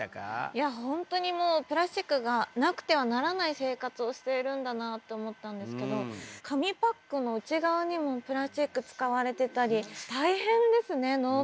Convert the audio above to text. いや本当にもうプラスチックがなくてはならない生活をしているんだなと思ったんですけど紙パックの内側にもプラスチック使われてたり大変ですねＮｏ！